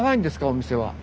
お店は。